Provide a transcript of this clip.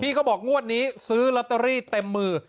เขาบอกงวดนี้ซื้อลอตเตอรี่เต็มมือ